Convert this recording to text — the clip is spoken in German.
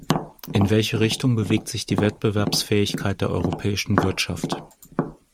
In welche Richtung bewegt sich die Wettbewerbsfähigkeit der europäischen Wirtschaft?